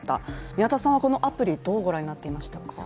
宮田さんはこのアプリ、どうご覧になっていましたか。